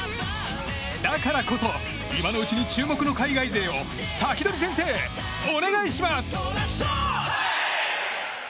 だからこそ、今のうちに注目の海外勢をサキドリ先生、お願いします。